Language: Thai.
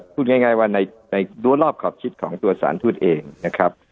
พูดง่ายว่าในรั้วรอบขอบชิดของตัวสารทูตเองนะครับ